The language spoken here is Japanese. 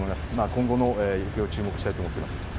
今後の行方を注目したいと思っています。